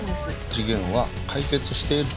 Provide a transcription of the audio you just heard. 事件は解決している。